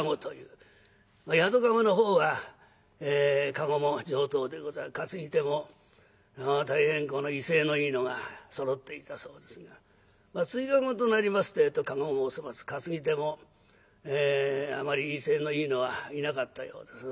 宿駕籠の方は駕籠も上等でござい担ぎ手も大変この威勢のいいのがそろっていたそうですが辻駕籠となりますてえと駕籠もお粗末担ぎ手もあまり威勢のいいのはいなかったようです。